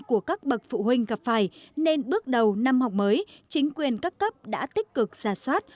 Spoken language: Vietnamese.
của các bậc phụ huynh gặp phải nên bước đầu năm học mới chính quyền các cấp đã tích cực giả soát